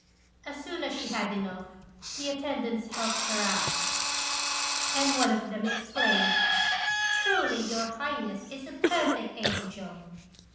As soon as she had had enough, the attendants helped her out, and one of them exclaimed, "Truly, your Highness is a perfect angel!"